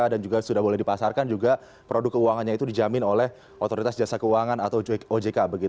dan juga sudah boleh dipasarkan juga produk keuangannya itu dijamin oleh otoritas jasa keuangan atau ojk